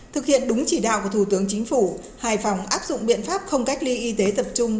thực hiện đúng chỉ đạo của thủ tướng chính phủ hải phòng áp dụng biện pháp không cách ly y tế tập trung